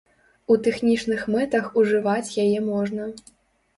У тэхнічных мэтах ужываць яе можна.